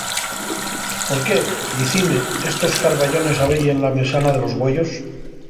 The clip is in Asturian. Por qué, dicíime, estos carbayones abeyen la mesana de los güeyos.